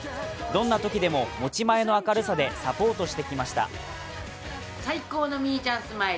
どんなときでも持ち前の明るさでサポートしてきました。